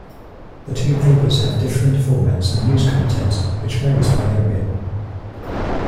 The two papers have different formats and news content which varies by area.